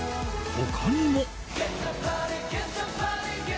他にも。